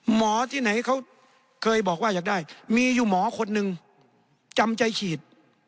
หมอที่ไหนเขาเคยบอกว่าอยากได้มีอยู่หมอคนหนึ่งจำใจฉีด